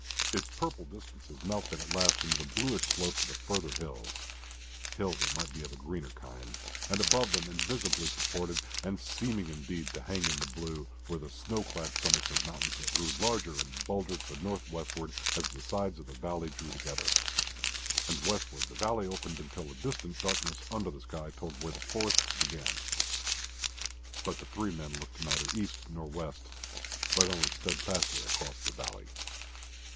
Its purple distances melted at last into the bluish slopes of the further hills hills it might be of a greener kind and above them invisibly supported, and seeming indeed to hang in the blue, were the snowclad summits of mountains that grew larger and bolder to the north westward as the sides of the valley drew together. And westward the valley opened until a distant darkness under the sky told where the forests began. But the three men looked neither east nor west, but only steadfastly across the valley.